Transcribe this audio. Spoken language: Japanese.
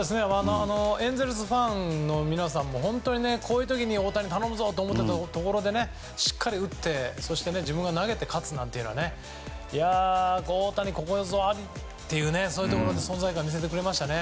エンゼルスファンの皆さんも本当にこういう時に大谷頼むぞと思ったところでしっかり打って自分が投げて勝つなんていうのは大谷ここにありという存在感を見せてくれましたね。